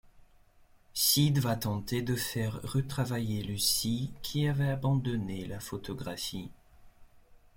Syd va tenter de faire retravailler Lucy, qui avait abandonné la photographie.